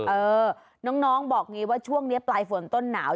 เออน้องบอกงี้ว่าช่วงนี้ปลายฝนต้นหนาว